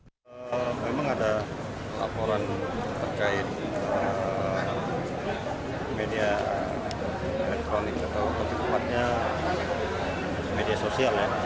kemudian ada laporan terkait media elektronik atau ketukmatnya media sosial ya